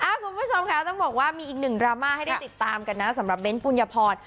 คุณผู้ชมค่ะต้องบอกว่ามีอีกหนึ่งดราม่าให้ได้ติดตามกันนะสำหรับเบ้นปุญญพร